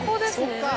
そっか！